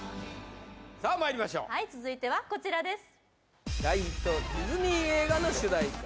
さあまいりましょうはい続いてはこちらです